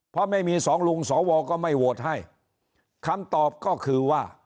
เพราะไม่มีสองลุงสวก็ไม่โหวตให้คำตอบก็คือว่า